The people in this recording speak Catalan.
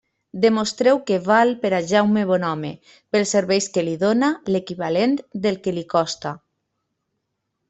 Demostreu que val per a Jaume Bonhome, pels serveis que li dóna, l'equivalent del que li costa.